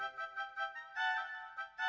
oh pi lucky ada apa